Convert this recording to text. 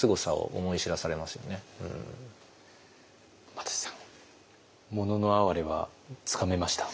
又吉さん「もののあはれ」はつかめました？